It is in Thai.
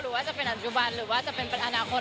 ว่าจะเป็นปัจจุบันหรือว่าจะเป็นอนาคต